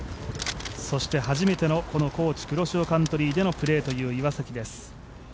そして初めてのＫｏｃｈｉ黒潮カントリーでのプレーという岩崎です。